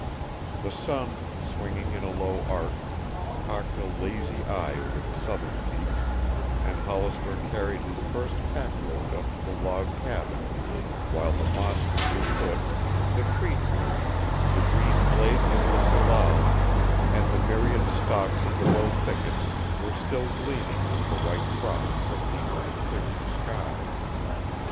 The sun, swinging in a low arc, cocked a lazy eye over the southern peaks, and Hollister carried his first pack load up to the log cabin while the moss underfoot, the tree trunks, the green blades of the salal, and the myriad stalks of the low thickets were still gleaming with the white frost that came with a clearing sky.